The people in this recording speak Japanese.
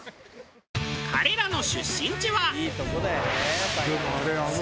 彼らの出身地は。